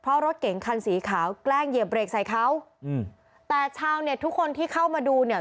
เพราะรถเก๋งคันสีขาวแกล้งเหยียบเบรกใส่เขาอืมแต่ชาวเน็ตทุกคนที่เข้ามาดูเนี่ย